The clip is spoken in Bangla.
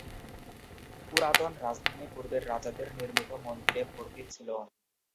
পুরাতন রাজধানী পূর্বের রাজাদের নির্মিত মন্দিরে ভর্তি ছিল।